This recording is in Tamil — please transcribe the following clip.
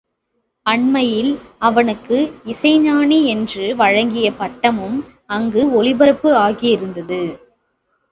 அண்மையில் அவனுக்கு இசை ஞானி என்று வழங்கிய பட்டமும் அங்கு ஒளிபரப்பு ஆகி இருந்தது.